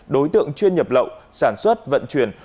đối tượng chuyên nhập lậu sản xuất vận chuyển